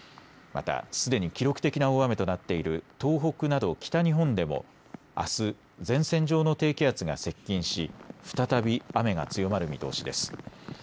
また、すでに記録的な大雨となっている東北など北日本でもあす前線上の低気圧が接近し再び雨が強まる見通しです。